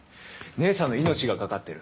姉さんの命が懸かってる。